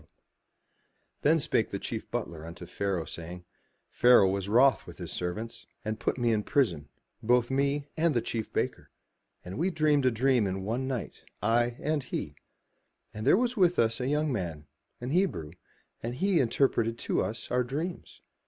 295 MY BOOK HOUSE Then spake the chief butler unto Pharaoh, saying: "Pharaoh was wroth with his servants, and put me in prison, both me and the chief baker: and we dreamed a dream in one night, I and he; and there was with us a young man, an Hebrew, and he interpreted to us our dreams.